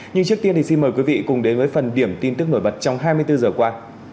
nhưng trước tiên thì xin mời quý vị cùng đến với phần điểm tin tức nổi bật trong hai mươi bốn giờ qua